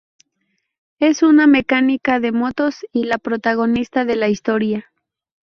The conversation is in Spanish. Es una mecánica de motos y la protagonista de la historia.